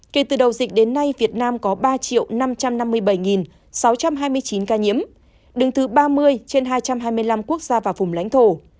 kể từ đầu dịch đến nay việt nam có ba năm trăm năm mươi bảy sáu trăm hai mươi chín ca nhiễm đứng thứ ba mươi trên hai trăm hai mươi năm quốc gia và vùng lãnh thổ